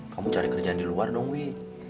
kamu cari kerjaan di luar dong wi